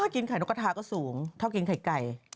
กินไข่นกกระทาก็สูงชอบกินไข่ไก่